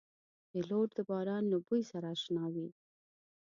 پیلوټ د باران له بوی سره اشنا وي.